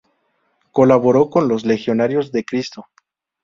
Colaboró con los Legionarios de Cristo.